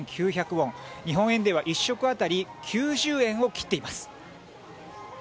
ウォン日本円では１食当たり９０円を切っています。